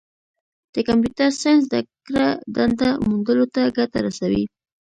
د کمپیوټر ساینس زدهکړه دنده موندلو ته ګټه رسوي.